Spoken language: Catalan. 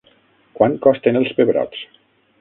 Quant costen els pebrots?